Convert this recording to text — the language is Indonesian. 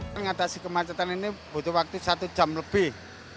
mengatasi kemacetan ini butuh waktu satu jam lebih